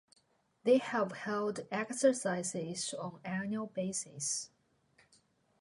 They have held exercises on an annual basis.